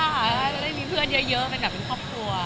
จะได้มีเพื่อนเยอะเป็นแบบเป็นครอบครัว